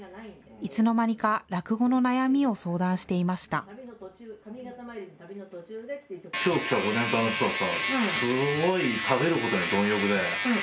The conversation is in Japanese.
いつの間にか落語の悩みを相談していました。